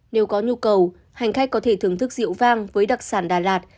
nếu có nhu cầu hành khách có thể thưởng thức rượu vang với đặc sản đà lạt